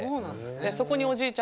そこにおじいちゃん